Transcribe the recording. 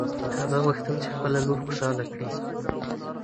هغه غوښتل چې خپله لور خوشحاله کړي.